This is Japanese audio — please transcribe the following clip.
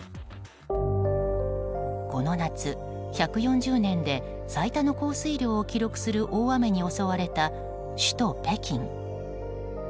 この夏、１４０年で最多の降水量を記録する大雨に襲われた首都・北京。